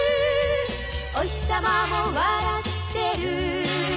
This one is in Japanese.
「おひさまも笑ってる」